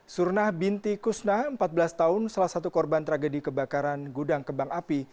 surnah binti kusna empat belas tahun salah satu korban tragedi kebakaran gudang kembang api